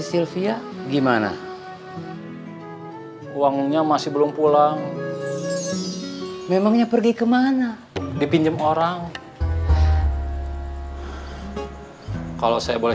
sylvia gimana uangnya masih belum pulang memangnya pergi kemana dipinjam orang kalau saya boleh